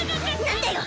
何だよ